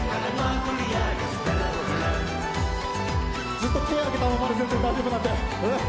ずっと手上げたままで全然大丈夫なんで。